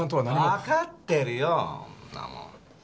わかってるよそんなもん。